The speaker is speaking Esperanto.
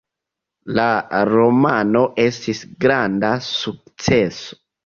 La romano estis granda sukceso.